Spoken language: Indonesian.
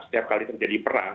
setiap kali terjadi perang